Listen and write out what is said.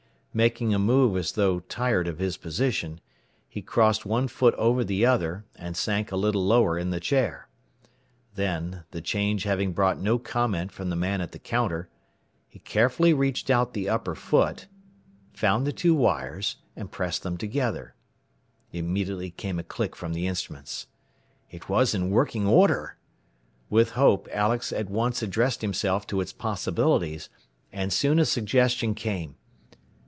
Making a move as though tired of his position, he crossed one foot over the other, and sank a little lower in the chair. Then, the change having brought no comment from the man at the counter, he carefully reached out the upper foot, found the two wires and pressed them together. Immediately came a click from the instruments. It was in working order! With hope Alex at once addressed himself to its possibilities, and soon a suggestion came.